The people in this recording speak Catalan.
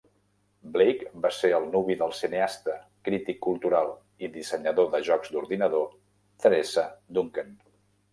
Blake va ser el nuvi del cineasta, crític cultural i dissenyador de jocs d'ordinador Theresa Duncan.